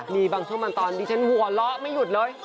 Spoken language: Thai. มีบางชั่วปันตอนดีฉันหัวล้อไม่หยุดเลย